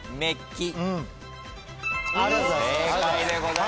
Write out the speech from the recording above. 正解でございます。